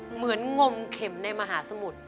เหมือนงมเข็มในมหาสมุด